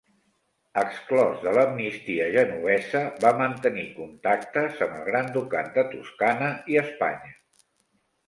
Exclòs de l'amnistia genovesa, va mantenir contactes amb el Gran Ducat de Toscana i Espanya.